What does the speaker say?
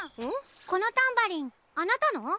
このタンバリンあなたの？